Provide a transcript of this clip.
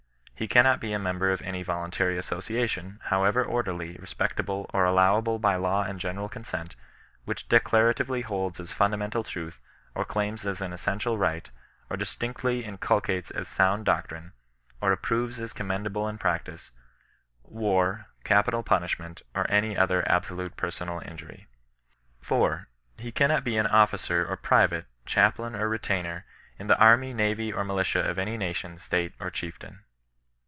He cannot be a member of any voluntary associa tion, however orderly, respectable, or allowable by law and general consent, which declarativdy holds as funda mental truths or claims as an essential right, or distinctly 16 GBBI8TIAH HON BBSISTAITCS. ineolcfttes as sound doctrine, or approyes as commend able in practice, war, capital punishment^ or any other absolute personal injury. 4. He cannot be an officer or private^ chaplain or re tainer, in the army, navy, or militia of any nation, state, or chieftain.